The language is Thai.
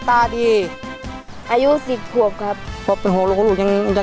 เพลงนี้อยู่ในอาราบัมชุดแรกของคุณแจ็คเลยนะครับ